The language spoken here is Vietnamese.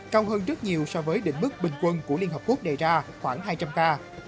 cao hơn rất nhiều so với đỉnh mức bình quân của liên hợp quốc đề ra khoảng hai trăm linh ca